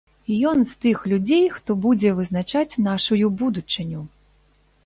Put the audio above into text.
Ён з тых людзей, хто будзе вызначаць нашую будучыню.